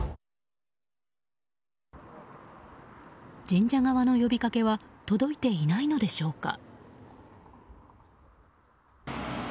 神社側の呼びかけは届いていないのでしょうか。